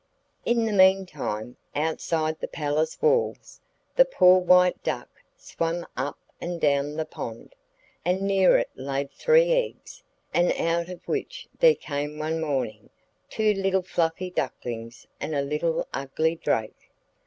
In the meantime, outside the palace walls, the poor White Duck swam up and down the pond; and near it laid three eggs, out of which there came one morning two little fluffy ducklings and a little ugly drake.